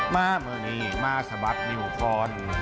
มาเมืองนี่มาสะบัดมิวฟอน